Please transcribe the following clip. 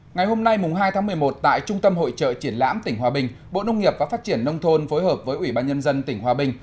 ngày hôm nay hai tháng một mươi một tại trung tâm hội trợ triển lãm tỉnh hòa bình bộ nông nghiệp và phát triển nông thôn phối hợp với ủy ban nhân dân tỉnh hòa bình